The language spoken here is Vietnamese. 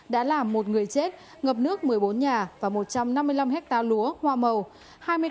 đã làm một người chết ngập nước một mươi bốn nhà và một trăm năm mươi năm hectare lúa hoa màu